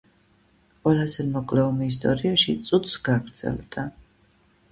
ყველაზე მოკლე ომი ისტორიაში წუთს გაგრძელდა.